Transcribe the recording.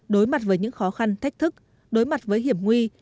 đối mặt với những khó khăn thách thức đối mặt với hiểm nguy